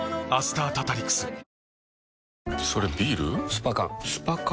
スパ缶スパ缶？